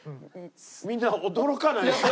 みんな驚かないしさ。